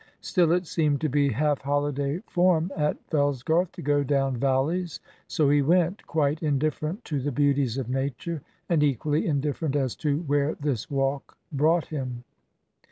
Still, it seemed to be half holiday form at Fellsgarth to go down valleys, so he went, quite indifferent to the beauties of Nature, and equally indifferent as to where this walk brought him.